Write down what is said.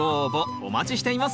お待ちしています